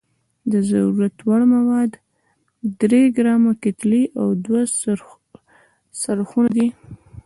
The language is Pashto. د ضرورت وړ مواد درې ګرامه کتلې او دوه څرخونه دي.